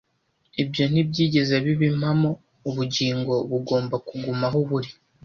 Ibyo ntibyigeze biba impamo. Ubugingo bugomba kuguma aho buri,